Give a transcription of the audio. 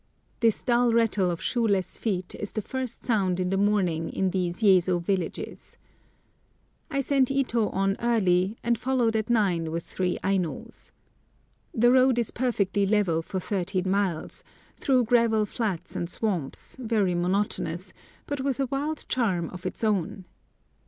This dull rattle of shoeless feet is the first sound in the morning in these Yezo villages. I sent Ito on early, and followed at nine with three Ainos. The road is perfectly level for thirteen miles, through gravel flats and swamps, very monotonous, but with a wild charm of its own.